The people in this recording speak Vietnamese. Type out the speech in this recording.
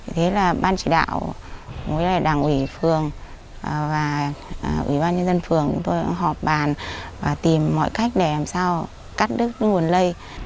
thế là ban chỉ đạo với đảng ủy phường và ủy ban nhân dân phường chúng tôi cũng họp bàn và tìm mọi cách để làm sao cắt đứt nguồn lây